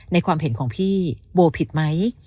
ความเห็นของพี่โบผิดไหม